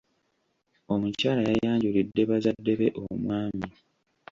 Omukyala yayanjulidde bazadde be omwami.